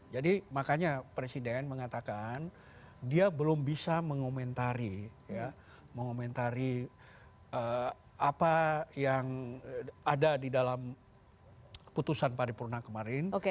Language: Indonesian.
jadi makanya presiden mengatakan dia belum bisa mengomentari apa yang ada di dalam putusan paripurna kemarin